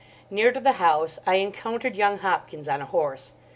Near to the house I encountered young Hopkins on a horse.